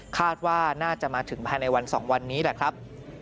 คาดว่าน่าจะมาถึงภายในวัน๒วันนี้แหละครับ